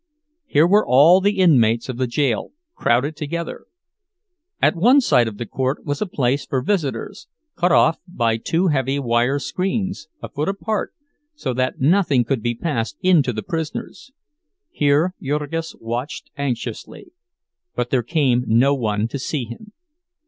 Here were all the inmates of the jail crowded together. At one side of the court was a place for visitors, cut off by two heavy wire screens, a foot apart, so that nothing could be passed in to the prisoners; here Jurgis watched anxiously, but there came no one to see him.